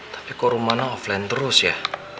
tapi kok romana offline terus ya